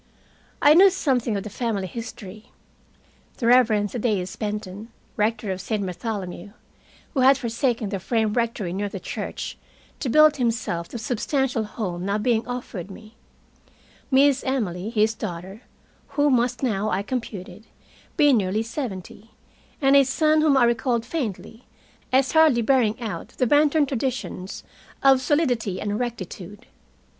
I knew something of the family history: the Reverend Thaddeus Benton, rector of Saint Bartholomew, who had forsaken the frame rectory near the church to build himself the substantial home now being offered me; Miss Emily, his daughter, who must now, I computed, be nearly seventy; and a son whom I recalled faintly as hardly bearing out the Benton traditions of solidity and rectitude.